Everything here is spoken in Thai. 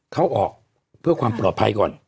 เข้าออกเพื่อความปลอดภัยก่อน